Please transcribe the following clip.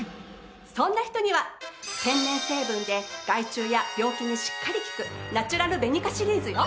そんな人には天然成分で害虫や病気にしっかり効くナチュラルベニカシリーズよ。